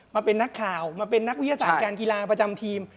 มาเป็นนักข่าวมาเป็นนักวิทยาศาสตร์การกีฬาประจำทีม